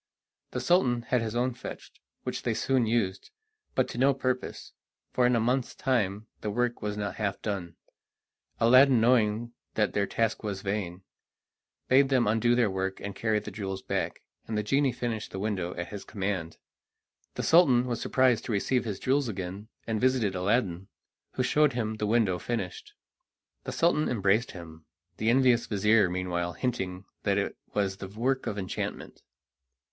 The Sultan had his own fetched, which they soon used, but to no purpose, for in a month's time the work was not half done. Aladdin, knowing that their task was vain, bade them undo their work and carry the jewels back, and the genie finished the window at his command. The Sultan was surprised to receive his jewels again and visited Aladdin, who showed him the window finished. The Sultan embraced him, the envious vizir meanwhile hinting that it was the work of enchantment.